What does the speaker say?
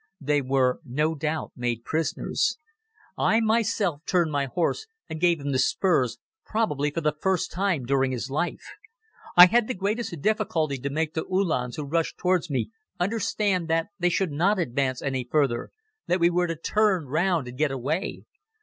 They were no doubt made prisoners. I myself turned my horse and gave him the spurs, probably for the first time during his life. I had the greatest difficulty to make the Uhlans who rushed towards me understand that they should not advance any further, that we were to turn round and get away.